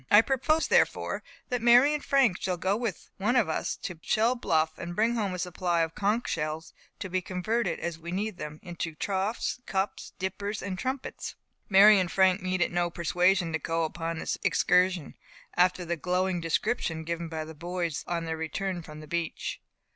"I propose, therefore, that Mary and Frank shall go with one of us to Shell Bluff, and bring home a supply of conch shells, to be converted, as we need them, into troughs, cups, dippers, and trumpets." Mary and Frank needed no persuasion to go upon this excursion, after the glowing description given by the boys on their return from the beach.